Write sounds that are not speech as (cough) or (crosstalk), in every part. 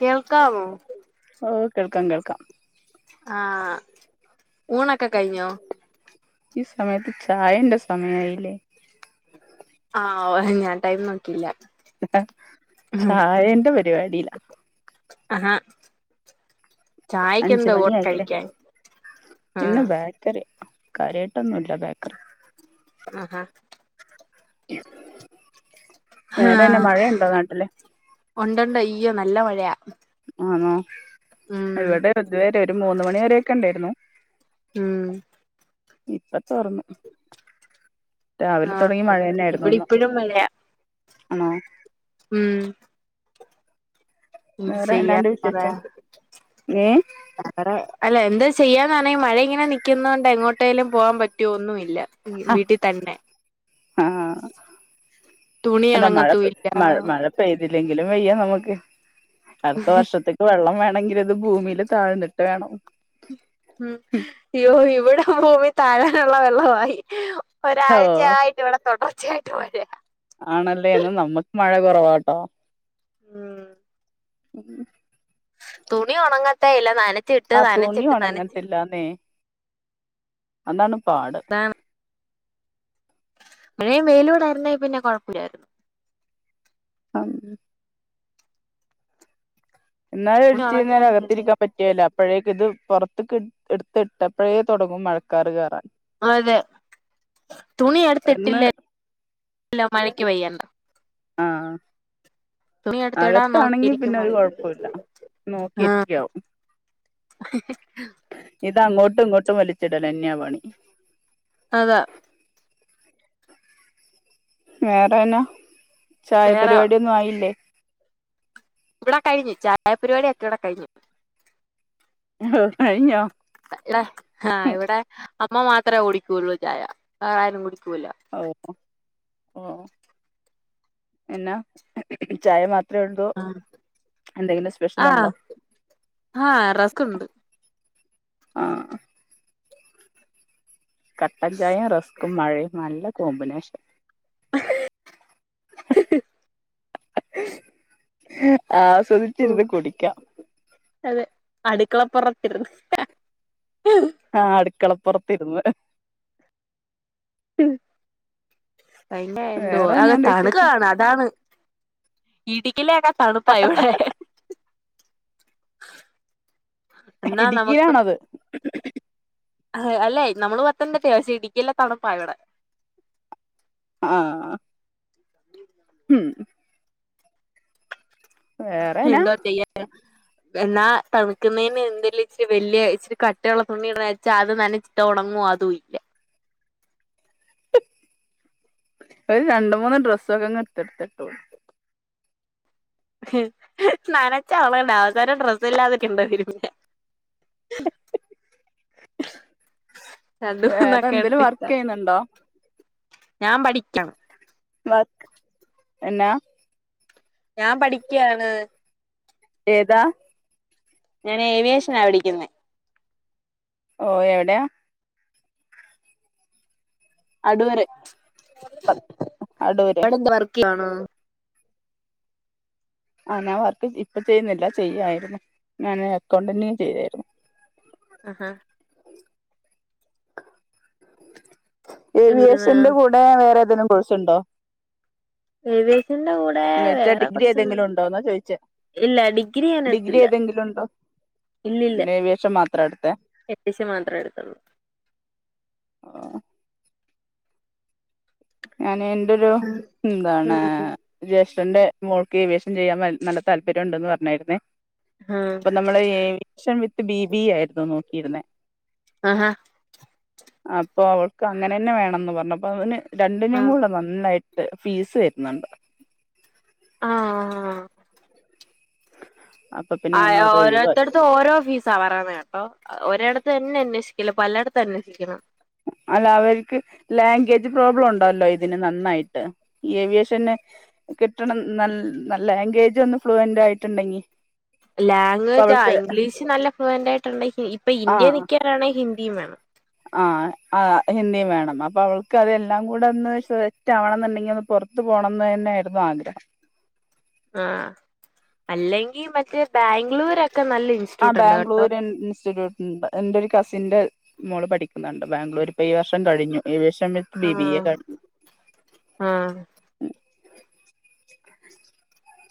കേൾക്കാമോ ഓ കേൾക്കാം കേൾക്കാം ആഹ് ഊണെക്കെ കഴിഞ്ഞോ ഈ സമയത്ത് ചായന്റെ സമയമായില്ലേ. ആഹ് ഓ ഞാൻ ടൈം നോക്കിയില്ല ചായന്റെ പരിപാടില ആഹ് അഞ്ചു മണി ആയില്ലേ. ആഹ് ഇന്ന് ബേക്കറി കാര്യമായിട്ട് ഒന്നുമില്ല ബേക്കറി ആഹ് ഹാ വേറെ എന്നാ മഴയുണ്ടോ നാട്ടില്. ഉണ്ടണ്ട് അയ്യോ നല്ല മഴയാ ആണോ ഉം ഇവിടെ ഇതുവരെ ഒരു മൂന്ന് മണി വരെയൊക്കെ ഉണ്ടായിരുന്നു. ഉം ഇപ്പ തോർന്നു രാവിലെ ആഹ് തുടങ്ങിയ മഴ തന്നെ ആയിരുന്നു ഇവിടെ ഇന്ന്. ഇപ്പഴും മഴയാ ആണോ ഉം എന്ത് വേറെ ചെയ്യാ, എന്നാണ്ട് വേറെ വിശേഷം ഏ അല്ലെ എന്താ ചെയ്യാനാണെങ്കിൽ മഴ ഇങ്ങനെ നിൽക്കുന്നത് കൊണ്ട് എങ്ങോട്ടേലും പോവാൻ പറ്റുമോ ഒന്നുമില്ല. വീട്ടിൽ തന്നെ ആഹ് തുണി അല്ല മഴ ഒണങ്ങത്തൂല്ല മഴ പെയ്തില്ലെങ്കിലും, വയ്യ നമുക്ക് അടുത്ത വർഷത്തേക്ക് വെള്ളം വേണമെങ്കിൽ ഇത് ഭൂമില് താഴ്ന്നിട്ട് വേണം ഉം ഇയ്യോ ഇവിടെ ഭൂമി താഴാനുള്ള വെള്ളം ആയി ഓ ഒരാഴ്ചയായിട്ട് ഇവിടെ തുടർച്ചയായിട്ട് മഴയാ ആണല്ലേ ന്നാ നമ്മക്ക് മഴ കുറവാട്ടോ ഉം ഉം തുണി ഉണങ്ങട്ടെ ഇല്ലേ നനഞ്ഞ് ആ തുണി ഒണങ്ങത്തില്ലാന്നേ അതാണ് പാട് അതാണ് മഴയും വെയിലൂടായിരുന്നേൽ പിന്നെ കൊഴപ്പില്ലായിരുന്നു മ് എന്നാലും ഒരു തുണി ഇച്ചിരിന്നേരം ഉണങ്ങാഞ്ഞത് അകത്തിരിക്കാൻ പറ്റ്കേല്ല അപ്പഴേക്ക് ഇത് പുറത്തേക്ക് എടുത്തിട്ടപ്പോഴേ തൊടങ്ങും മഴക്കാറ് കേറാൻ അതെ തുണി ഇന്ന് എടുത്തിട്ടില്ലേൽ (unintelligible) മഴക്ക് പെയ്യണ്ട ആഹ് ആ തുണി എടുത്തിടാ നേക്കി അകത്താണെങ്കി ഇരിക്കാ പിന്നെ ഒരു മഴക്ക് കുഴപ്പമില്ല പെയ്യാൻ ആഹ് നോക്കിയിരിക്കാവും ഹി ഹി ഇതാ അങ്ങോട്ടും ഇങ്ങോട്ടും വലിച്ചിടലന്നെയാ പണി അതാ വേറെന്നാ വേറെ ചായപരിപാടിയെന്നും ആയില്ലേ ഇവിടെ കഴിഞ്ഞു ചായ പരിപാടി ഒക്കെ ഇവിടെ കഴിഞ്ഞു ഓഹ് കഴിഞ്ഞോ (unintelligible) ആഹ് ഇവിടെ അമ്മ മാത്രേ കുടിക്കുള്ളൂ ചായ വേറെ ആരും കുടിക്കൂല ഓ ഓ എന്നാ ചായ മാത് (unintelligible) ഉണ്ടോ എന്തെങ്കിലും സ്പെഷ്യൽ ആഹ് ഉണ്ടോ ആഹ് റസ്ക് ഉണ്ട് ആഹ് കട്ടൻചായയും റസ്ക്കും മഴയും നല്ല കോമ്പിനേഷൻ ആഹ് ഉം സുഖിച്ചിരുന്നു കുടിക്കാം അതെ അടുക്കള പുറത്തിരുന്ന് ആഹ് അടുക്കളപ്പുറത്തിരുന്ന് (unintelligible) എന്തോ വേറെ എന്നാണ്ട് വിശേഷം തണുക്കാണ് അതാണ് ഇടുക്കിലേയൊക്കെ തണുപ്പാ ഇവിടെ എന്നാ നമുക്ക് ഇടുക്കിയിലാണത് അല്ലെ നമ്മള് പത്തനംതിട്ടയാ പക്ഷെ ഇടുക്കീലെ തണുപ്പാ ഇവിടെ ആഹ് ഉ ഉം വേറെനാ എന്താ ചെയ്യാ (unintelligible) എന്നാ തണുക്കുന്നേന് എന്തേലും ഇച്ചിരി വെല്ല്യ ഇച്ചിരി കട്ടിയുള്ള തുണിയിടാന്ന് വച്ചാ അത് നനച്ചാ തൊടങ്ങും (unintelligible) അതും ഇല്ല ഒരു രണ്ട് മൂന്ന് ഡ്രസ്സൊക്കെ അങ്ങ് എടുത്തെടുത്ത് ഇട്ടു നനച്ച് (unintelligible) അവസാനം ഡ്രസ്സില്ലാതെ നിക്കണ്ടി വരും പിന്നെ ഉ വേറെ രണ്ടുന്നൊക്കെ എന്തേലും വർക്ക് എടുത്തിട്ടാ ചെയ്യുന്നുണ്ടോ ഞാൻ പഠിക്കണം വാക്ക് എന്നാ ഞാൻ പഠിക്ക്യാണ് ഏതാ? ഞാൻ ഏവിയേഷനാ പഠിക്ക്ന്നെ ഓഫ് എവിടെയാ അടൂര് അടൂര് ആണോ? ആഹ് ഞാൻ വർക്ക് ഇപ്പ ചെയ്യ്ന്നില്ല ചെയ്യായ്രുന്നു ഞാന് അക്കൗണ്ടെന്റ്ന് ചെയ്യായിരുന്നു ആഹ് ഹാ ആഹാ ഏവിയേഷന്റെ കൂടെ വേറെതേലും കോഴ്സ്ണ്ടോ? എവിയേഷന്റെ കൂടെ വേറെ കൊർച്ച് ഏതെങ്കിലും ഉണ്ടോന്നാ ചോദിച്ചേ ഇല്ല ഡിഗ്രി ഡിഗ്രി അതിനകത്തില്ല. ഏതെങ്കിലും ഉണ്ടോ ഇല്ലില്ല പിന്നെ ഏവിയേഷൻ മാത്രം എടുത്തെ എട്ടീസം മാത്രേ എട് (unintelligible) ഉം ഞാന് എൻ്റെ (unintelligible) എന്താണ് ഉം ജേഷ് ഠൻ്റെ മോൾക്ക് എവിയേഷൻ ചെയ്യാൻ നല് നല്ല താല്പര്യണ്ടന്ന് പർഞ്ഞായിര്ന്നേ അപ്പൊ നമ്മള് aviation with B B A ആയിരുന്നു നോക്കിയിര്ന്നേ. ആഹാ അപ്പൊ അവൾക്ക് അങ്ങനെന്നെ വേണംന്ന് പർഞ്ഞ് അപ്പ അതിന് രണ്ടിനും ആഹ് കൂടെ നന്നായി ട്ട് ഫീസ് വെര്ന്ന്ണ്ട്. ആഹ് അപ്പൊ പിന്നെ ആഹ് നമ്മളത് ഒഴിവാക്കി ഓരോത്തട്ത്ത് ഓരോ ഫീസാ പറയെന്നെ കേട്ടോ ഒ ഒരെടെത്ത് തെന്നെ അന്വേഷി ക്കല്ലാ പലയെട്ത്തും അന്വേഷിക്കണം. അല്ല അവര്ക്ക് ലാംഗ്വേജ് പ്രോബ്ലണ്ടല്ലോ ഇതിന് നന്നായിട്ട് ഏവിയേഷന്ന് കിട്ടണം നൽ നല്ലാംഗ്വേജൊന്ന് ഫ്ലുവൻ്റായിട്ടുണ്ടെങ്കി ലാംഗ്വേജ് ആ ഇംഗ്ലീഷ് നല്ല ഫ്ലുവൻ്റായിട്ടുണ്ടങ്കി ഇപ്പൊ ആ ഇന്ത്യേ നിക്കനാണെ ഹി ന്ദിം വേണം. ആഹ് ആഹ് ഹിന്ദിം വേണം അപ്പൊ അവൾക്കതെതെല്ലാം കൂടെ ഒന്ന് സെറ്റാവണന്നുണ്ടെങ്കി ഒന്ന് പൊർത്ത് പോ ണെന്നെന്നെയായിരുന്നു ആഗ്രഹം. ആഹ് അല്ലെങ്കി മറ്റേ ബാംഗ്ലൂരൊ ആഹ് ബാംഗ്ലൂര് ഇൻസ്റ്റിറ്റ്യൂട്ട്ണ്ട് എൻ്റൊരു കസിന്റെ മോള് പഠിക്ക്ന്ന്ണ്ട് ബാംഗ്ലൂര് ഇപ്പൊ ഈ വർഷം കഴിഞ്ഞു ഏവിയേഷ് (unintelligible) ത്ത് ബി ബി എ ആഹ് ക (unintelligible) ആഹ്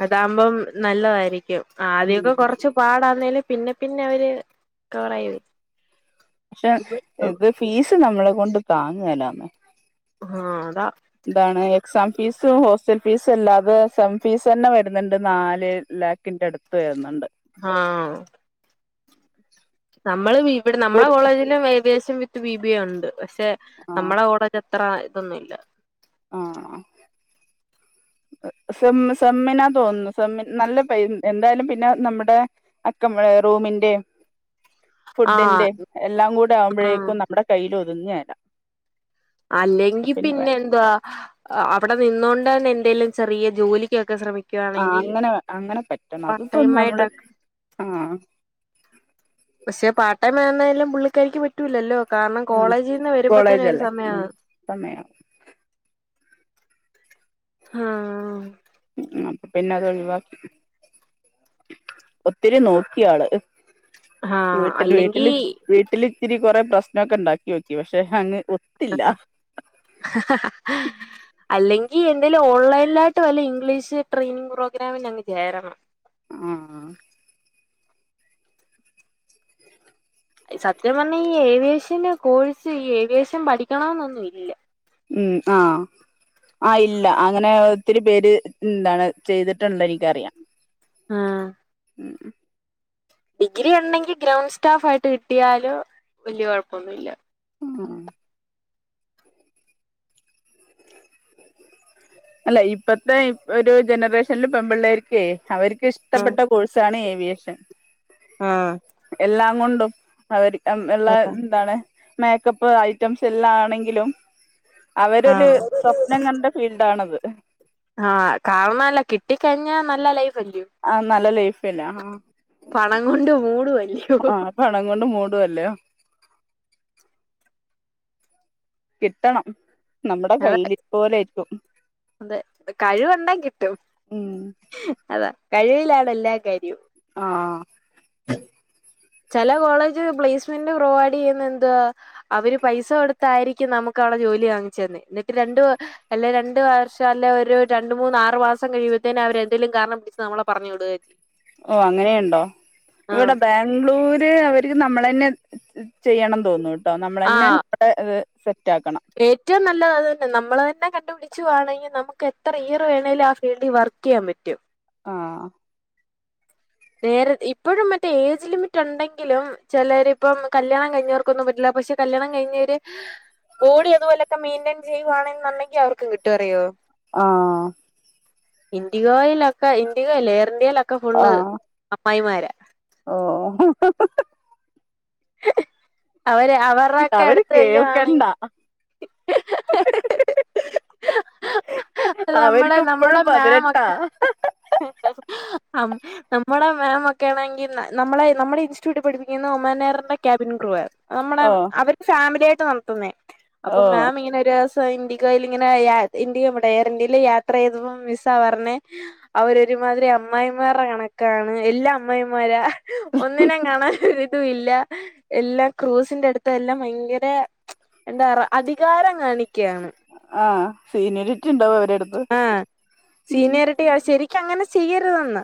അതാവുമ്പം നല്ലതായിരിക്കും ഉം ആദ്യൊക്കെ കൊർച്ച് പാടാന്നേലും പിന്നെ പിന്നെ അവര് കവറായത് ക്ഷെ ഇത് ഫീസ് നമ്മളെ കൊണ്ട് താങ്ങേലാന്നെ ആഹ് അതാ എന്താണ് എക്സാം ഫീസും ഹോസ്റ്റൽ ഫീസും അല്ലാതെ സെം ഫീസന്നെ വര്ന്ന്ണ്ട് നാല് ലാക്കിൻ്റെ അടുത്ത് വരുന്നുണ്ട് ആഹ് (inaudible) നമ്മള് ഇവിടെ ഒരു നമ്മളെകോളേജിലും aviation with B B A ഒണ്ട് പക്ഷെ ആഹ് നമ്മടെ കോളേജ് അത്ര ഇതൊന്നുല്ല ആഹ് (inaudible) സെമ് സെമ്മിനാതോന്നുന്നു സെമ്മ് നല്ല പൈ എന്തായാലും പിന്നെ നമ്മുടെ അക്കമേ റൂമിന്റേം ആഹ് ഫുഡിന്റിം എല്ലാം കൂടെ ആഹ് ആവുമ്പോഴേക്കും നമ്മടെ കയ്യല് ഒതുങ്ങേല അപ്പൊ അല്ലെങ്കി പിന്നെ വേണ്ട എന്ത്യാ അ അവടെ നിന്നോണ്ട് തന്നെ എന്തെലും ചെറിയ ജോലിക്കൊക്കെ ശ്രമിക്ക്‌- ആഹ് അങ്ങനെ അങ്ങനെ പറ്റണം അത് ഇപ്പ ടൈം നമ്മള് ആയിട്ടൊക്കെ ആഹ് പക്ഷേ പാർട്ട്‌ടൈം ആണേലും പുള്ളിക്കാരിക്കു പറ്റൂല്ലല്ലോ കാരണം ആ കോളേജിൽന്ന് വരുമ്പോ തന്നെ ഒരു കോളേജല്ലേ സമയാ ഉം സമയാവും ഹാ അപ്പൊ പിന്നെ അത് ഒഴിവാക്കി ഒത്തിരി നോക്കിയാള് ആഹ് വീട്ടില് അല്ലെങ്കി വീട്ടില് വീട്ടല് ഇത്തിരി കുറേ പ്രശ്നൊക്കെ ഒണ്ടാക്കി നോക്കി പക്ഷെ അങ്ങ് ഒ ഹ ഹ ഹ് അല്ലെങ്കി എന്തേലും ഓൺലൈനിലായിട്ട് വല്ല ഇംഗ്ലീഷ് ട്രെയിനിങ് പ്രോഗ്രാമിന് അങ് ചേരണം ആ സത്യം പറഞ്ഞാ ഈ ഏവിയേഷന്റെ കോഴ്സ് ഈ ഏവിയേഷൻ പഠിക്കണന്നൊന്നും ഇല്ല ഉം ആഹ് ആ ഇല്ല അങ്ങനെ ഒത്തിരി പേര് എന്താണ് ചെയ്തിട്ടുണ്ട് എനിക്കറിയാം ആഹ് ഉം ഡിഗ്രി ഉണെങ്കിൽ ഗ്രൗണ്ട് സ്റ്റാഫ് ആയിട്ട് കിട്ടിയാല് വല്യ കുഴപ്പൊന്നുല്ല മ് അല്ല ഇപ്പത്തെ ഒരു ജനറേഷനിൽ പെൺമ്പിള്ളേര്ക്കേ അവർക്ക് ആഹ് ഇഷ്ടപ്പെട്ട കോഴ്സാണ് ഏവിയേഷൻ ആഹ് എല്ലാം കൊണ്ടും അവര് ക്ക്‌ള്ള എന്താണ് മേക്കപ്പ് ഐറ്റംസ് എല്ലാം ആണെങ്കിലും അവരൊരു ആഹ് സ്വപ്നം കണ്ട ഫീൽഡ് ആണത് ആഹ് കാരണല്ല കിട്ടിക്കഴിഞ്ഞ നല്ല ലൈഫ് അല്ലയോ ആഹ് നല്ല ലൈഫ്ന്നേ പണം കൊണ്ട് മൂടുവല്ലയോ ആ പണം കൊണ്ട് മൂടുവല്ലയോ കിട്ടണം നമ്മുടെ അതെ കയ്യിലിരുപ്പ് പോലെയിരിക്കും അതെ കഴിവൊണ്ടേ കിട്ടും ഉം അതാ കഴിവിലാണ് എല്ലാ കാര്യം ആഹ് ചില കോളേജ് പ്ലേസ്മെന്റ് പ്രൊവൈഡ് ചെയ്യുന്ന എന്ന്തുവാ അവര് പൈസ കൊടുത്തായിരിക്കും നമുക്ക് ള്ള ജോലി വാങ്ങിച്ചന്നു എന്നിട്ട് രണ്ട് അല്ലേ രണ്ട് വർഷം അല്ലേ ഒരു രണ്ടു മൂന്നാറു മാസം കഴി മ്പത്തേന് അവരെന്തേലും കാരണം പിടിച്ച് നമ്മളെ പറഞ്ഞു വിടുവേം ചെയ്യും. ഓ അങ്ങനേയൊണ്ടോ? ഇവിടെ ആഹ് ബാംഗ്ലൂര് അവര്ക്ക് നമ്മളുതന്നെ ചെയ്യണം തോന്നുംട്ടോ നമ്മളന്നെ ആഹ് അവിടെ ഏറ്റവും നല്ലത് അത് തന്നെ നമ്മള് തന് ന്നെ കണ്ടു പിടിച്ചുവാണെങ്കിൽ നമുക്ക് എത്ര ഇയർ വേണേലും ആ ഫീൽഡിൽ വർക്ക് ചെയ്യാൻ പറ്റും. ആ നേരേ, ഇപ്പഴും മറ്റേ ഏജ് ലിമിറ്റ് ഒണ്ടെങ്കിലും ചെലരിപ്പം കല്യാണം കഴിഞ്ഞവർക്കൊന്നും പറ്റില്ല. പക്ഷെ കല്യാണം കഴിഞ്ഞവര് ഓടി അതുപോലൊക്കെ മെയിന്റയിൻ ചെയ്യുകയാണെന്നുണ്ടെങ്കിൽ അവർക്കും കിട്ടും അറിയുവോ. ആ ഇൻഡിഗോയിലൊക്കെ ഇൻഡിഗോല്ല എയർ ഇന്ത്യയിലൊക്കെ ഫുള്ള് ആഹ് അമ്മായിമാരാ. ഓ അവര് അവരുടെക്കെ അവര് അടുത്ത് കേൾക്കണ്ട ചെല്ലുവാണെങ്കി അത് നമ്മടെ അവർക്ക് നമ്മടെ ഇപ്പഴും പതിനെട്ടാ മാമൊക്കെ ആ നമ്മുടെ മാമൊക്കെ ആണെങ്കി നമ്മളെ നമ്മുടെ ഇൻസ്റ്റിറ്റ്യൂട്ടിൽ പഠിപ്പിക്കുന്ന ഒമാനെയറിന്റെ ക്യാബിൻ ക്രൂവാണ് നമ്മുടെ, ഓ അവര് ഫാമിലി ആയിട്ട് നടത്തുന്നേ ഓ അപ്പം മാം ഇങ്ങനെരു ഇൻഡിഗോയിൽ ഇങ്ങനെ ഇൻഡിഗോ പോട്ടെ എയർ ഇന്ത്യയില് യാത്ര ചെയ്തപ്പോ മിസ്സാ പറഞ്ഞെ അവരൊരുമാതിരി അമ്മായിമാരുടെ കണക്കാണ് എല്ലാ അമ്മായിമാരാ ഒന്നിനേം കാണാൻ ഒരു രസ് ഉ ഇല്ല, എല്ലാം ക്രൂസിന്റടുത്ത് എല്ലാം ഭയങ്കര എന്താ പറ അധികാരം കാണിക്ക ആ സീനറിട്ടുണ്ടാവവര്. ആ സീനിയോറിറ്റിയാണ്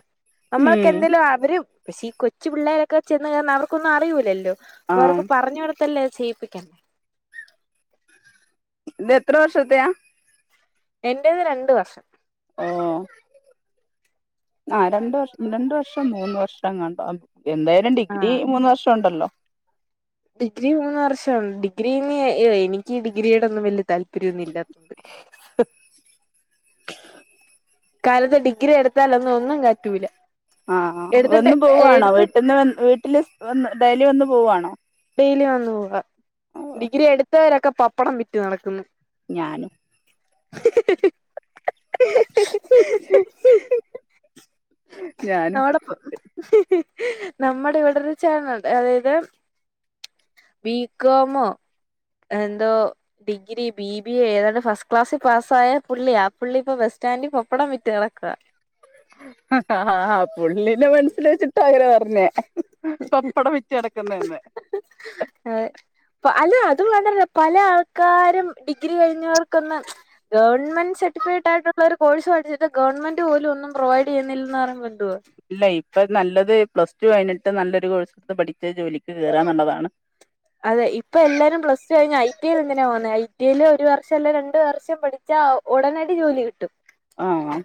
നമ്മളൊക്കെ ഉം എന്തേലും അവരും പക്ഷേ ഈ കൊച്ചു പിള്ളേരൊക്കെ ചെന്ന് കേറുന്ന അവർക്കൊന്നും അറിയൂല്ലല്ലോ. അവർക്ക് ആഹ് പറഞ്ഞു കൊടുത്തല്ലേ ചെയ്യിപ്പിക്കണ്ടേ. ഇത് എത്ര വർഷത്തെയാ? എന്റേത് രണ്ട് വർഷം. ഓ ആ രണ്ട് വർഷം, രണ്ട് വർഷം മൂന്ന് വർഷം എങ്ങാണ്ടാ, എന്തായാലും ഡിഗ്രി ആഹ് മൂന്ന് വർഷം ഒണ്ടല്ലോ. ഡിഗ്രി മൂന്ന് വർഷം ഡിഗ്രിന്ന് എനിക്ക് ഡിഗ്രിയോടൊന്നും വെല്ല്യ താല്പര്യം പര്യോന്നില്ലാത്തണ്ട്. ഇക്കാലത്ത് ഡിഗ്രി എടുത്താലൊന്നും ഒന്നും കയറ്റൂല. ആ വന്നു പോവാണോ, വീട്ടിന്ന് വീട്ടില് വന്ന് ഡെയ്ലി വന്ന് പോവാണോ? ഡെയിലി വന്നു പോവാ, ഓ ഡിഗ്രി എടുത്തവരൊക്കെ പപ്പടം വിറ്റ് ഞാനും. (inaudible) ഞാനും അവിടപ്പ നമ്മടെ ഇവിടൊരച്ചാനുണ്ട്, അതായത് ബി കോമോ എന്തോ ഡിഗ്രി, ബി ബി എ ഏതാണ്ട് ഫസ്റ്റ് ക്ലാസ്സിൽ പാസ്സായ പുള്ളിയാ ആ പുള്ളിപ്പ ബസ്സ് സ്റ്റാൻഡി പപ്പടം വിറ്റ് നടക്കുവാ. പുള്ളിനേ മനസ്സിൽ വെച്ചിട്ടാ പറ ഞ്ഞെ പപ്പടം വിറ്റ് നടക്കുന്നെന്ന്. അതെ അല്ല, അതും വേണ്ടല്ലോ, പല ആൾക്കാരും ഡിഗ്രി കഴിഞ്ഞവർക്കൊന്ന് ഗവൺ ൺമെന്റ് സർട്ടിഫൈഡായിട്ടുള്ള ഒരു കോഴ്സ് പഠിച്ചിട്ട് ഗവൺമെന്റു പോലും ഒന്നും പ്രൊവൈഡ് ചെയ്യുന്നില്ലെന്ന് പറയുമ്പ ഇല്ല ഇപ്പം നല്ലത് പ്ലസ് ടു കഴിഞ്ഞിട്ട് നല്ലൊരു കോഴ്സെടുത്ത് പഠിച്ച് ജോലിക്ക് കേറാന്നുള്ളതാണ്. അതെ ഇപ്പൊ എല്ലാരും പ്ലസ് ടു കഴിഞ്ഞ് ഐ ടി ഐ ൽ എന്തിനാ പോകുന്നേ ഐ ടി ഐ യില് ഒരു വർഷം അല്ലേ രണ്ടു വർഷം പഠിച്ച ഉടനടി ജോലി കിട്ടും ആഹ്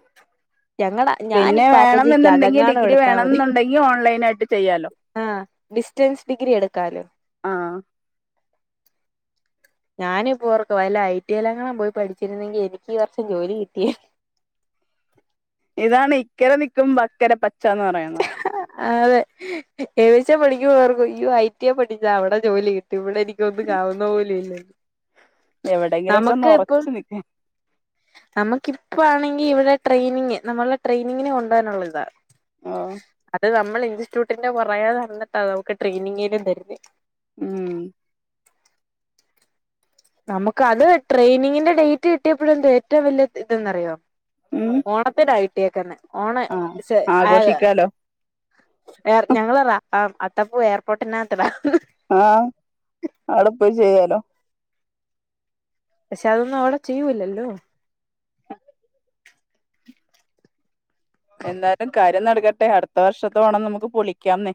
ഞങ്ങടെ പിന്നെ ഞാനിപ്പ ആലോചിക്കാ വേണംന്ന്ന്ന്ണ്ടെങ്കി അതെങ്ങാനും ഡിഗ്രി എടുത്താ മതി വേണെന്നുണ്ടെങ്കി ഓൺലൈൻ ആയിട്ട് ചെയ്യാലോ ആഹ് ഡിസ്റ്റൻസ് ഡിഗ്രി എടുക്കാലോ ആഹ് (inaudible) ഞാനും ഇപ്പോർക്ക വല്ല ഐ ടി ഐ ങ്ങാനും പോയി പഠിച്ചിരുന്നെങ്കി എനിക്ക് ഈ വർഷം ജോലി കിട്ടിയെ (inaudible) ഇതാണ് ഇക്കര നിക്കുംപ അക്കര പച്ചന്ന് പറയ്ണത് അതെ ഏവിയേഷൻ പഠിക്കുമ്പം ഓർക്കും യ്യോ ഐ ടി ഐ പഠിച്ച അവിടെ ജോലി കിട്ടും ഇവിടെ എനിക്കൊന്നും ക ണ്ടാവുന്ന് പോലും ഇല്ല എവിടെയെങ്കിലും ഒക്കെ ഒന്ന് നമുക്ക് ഇപ്പം ഉറച്ചു നിക്ക നമുക്കി ഇപ്പ ആണെങ്കി ഇവിടെ ട്രെയിനിങ് നമ്മളെ ട്രെനിങ്ങിന് കൊണ്ടാനുള്ള ഇതാ ഓ അത് നമ്മള് ഇൻസ്റ്റിറ്റ്യൂട്ടിന്റെ പൊറകേ നടന്നിട്ടാ നമുക്ക് ട്രെയിനിങ്ങേലും തര്ന്നെ ഉം നമുക്ക് അത് ട്രെയിനിങ്ങിന്റെ ഡേറ്റ് കിട്ടിയപ്പോഴ എന്തോ ഏറ്റവും വലിയ ഇതെന്നറിയോ ഉം ഓണത്തിനാ കിട്ടിയെക്ക്ന്നെ ഓണ ആ ശെ ആഹ് ആഘോഷിക്കാലോ ഞങ്ങറ അ സപ്പോ എയർപോർട്ടിനാത്തിടാ ആഹ് അവ്ടെ പോയി ചെയ്യാലോ പഷേ അതൊന്നും അവ്ടെ ചെയ്യൂലല്ലോ എന്തായാലും കാര്യം നടക്കട്ടെ അടുത്ത വർഷത്തെ ഓണം നമുക്ക് പൊളിക്കാംന്നേ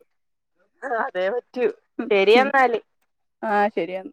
ആ അതെ പറ്റൂ ശരി എന്നാല് ആ ശരിയെന്ന